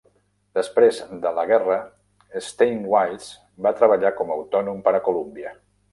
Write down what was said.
Després de la guerra, Steinweiss va treballar com autònom per a Columbia.